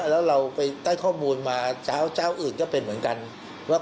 แล้วเราไปได้ข้อมูลมาเจ้าอื่นก็เป็นเหมือนกันว่า